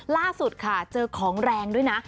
ล่าสุดค่ะเจอของแรงด้วยนะ